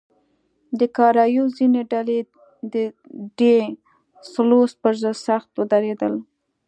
د کارایوس ځینې ډلې د ډي سلوس پر ضد سخت ودرېدل.